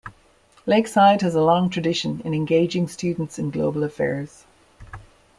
Lakeside has a long tradition in engaging students in global affairs.